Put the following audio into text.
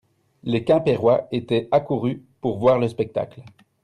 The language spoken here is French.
Les Quimpérois étaient accourus pour voir le spectacle.